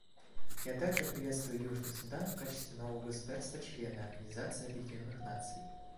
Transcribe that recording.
Я также приветствую Южный Судан в качестве нового государства-члена Организации Объединенных Наций.